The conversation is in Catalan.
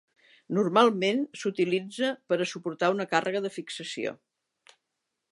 Normalment s'utilitza per a suportar una càrrega de fixació.